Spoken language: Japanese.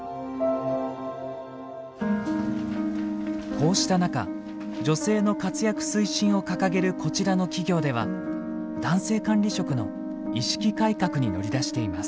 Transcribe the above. こうした中女性の活躍推進を掲げるこちらの企業では男性管理職の意識改革に乗り出しています。